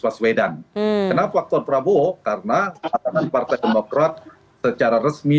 karena faktor prabowo karena pertemuan partai demokrat secara resmi